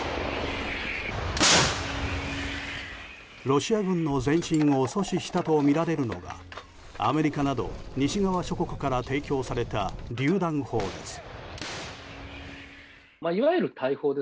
ロシア軍の前進を阻止したとみられるのがアメリカなど西側諸国から提供された、りゅう弾砲です。